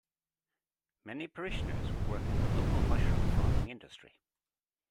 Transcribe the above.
Many parishioners work in the local mushroom farming industry.